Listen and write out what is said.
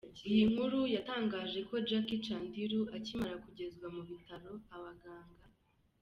iyi nkuru, yatangaje ko Jackie Chandiru akimara kugezwa mu bitaro, abaganga.